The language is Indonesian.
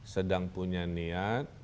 sedang punya niat